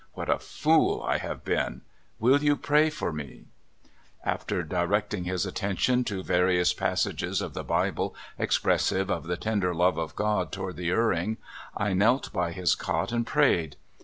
What a fool I have been I Will you pray for me ?" After directing his attention to various passages of the Bible expressive of the tender love of God toward the erring, I knell by his cot and prayed.